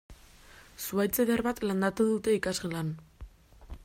Zuhaitz eder bat landatu dute ikasgelan.